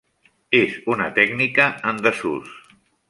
És una tècnica en desús.